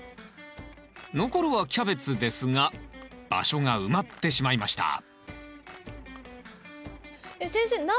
残るはキャベツですが場所が埋まってしまいましたえっ先生